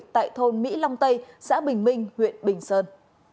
tại thôn mỹ long tây xã bình minh huyện bình sơn